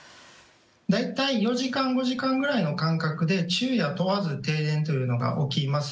大体４時間５時間ぐらいの感覚で昼夜問わず停電というのが起きます。